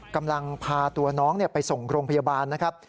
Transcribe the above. กำลังพาตัวน้องไปส่งโรงพยาบาลนะครับ